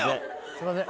すいません。